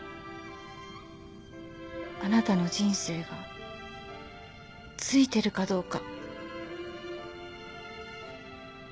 あなたの人生がついてるかどうか。